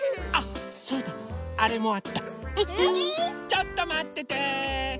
ちょっとまってて。